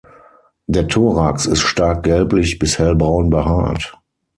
Der Thorax ist stark gelblich bis hellbraun behaart.